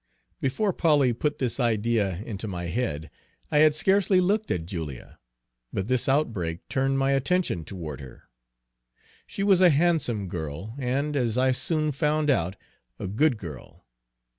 Before Polly put this idea into my head, I had scarcely looked at Julia, but this outbreak turned my attention toward her. She was a handsome girl, and, as I soon found out, a good girl.